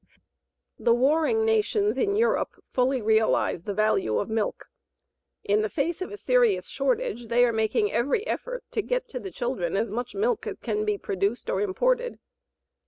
The warring nations in Europe fully realize the value of milk. In the face of a serious shortage they are making every effort to get to the children as much milk as can be produced or imported.